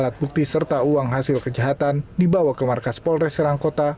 jumlah alat bukti serta uang hasil kejahatan dibawa ke markas polreserang kota